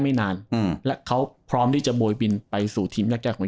ไม่นานอืมและเขาพร้อมที่จะโบยบินไปสู่ทีมแรกแรกของ